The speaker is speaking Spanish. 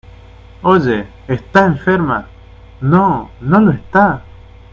¡ Oye! ¡ está enferma !¡ no, no lo está !